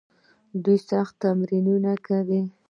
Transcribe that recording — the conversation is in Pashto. دوی سخت تمرینونه کوي.